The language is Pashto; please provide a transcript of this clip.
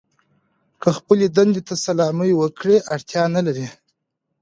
که خپلې دندې ته سلامي وکړئ اړتیا نه لرئ.